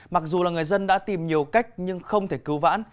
mặc dù là người dân đã tìm nhiều cách nhưng không thể cứu vãn